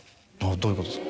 どういうことですか？